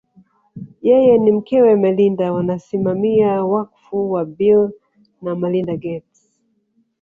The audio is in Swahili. Yeye na mkewe Melinda wanasimamia wakfu wa Bill na Melinda Gates